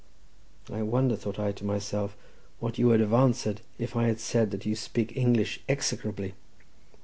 "I wonder," thought I to myself, "what you would have answered if I had said that you speak English execrably."